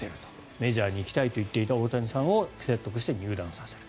メジャーに行きたいと言っていた大谷さんを説得して入団させる。